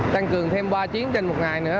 tăng cường thêm ba chiến trên một ngày nữa